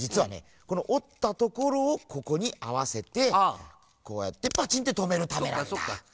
このおったところをここにあわせてこうやってパチンッてとめるためなんだね！